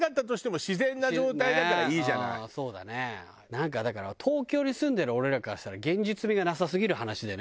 なんかだから東京に住んでる俺らからしたら現実味がなさすぎる話だよね。